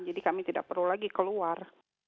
jadi kami tidak perlu lagi keluar